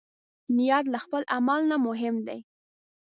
نیت له عمل نه مهم دی.